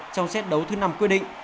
trong set đấu thứ năm quyết định